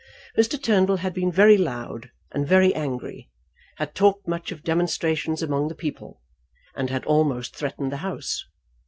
Mr. Turnbull had been very loud and very angry, had talked much of demonstrations among the people, and had almost threatened the House.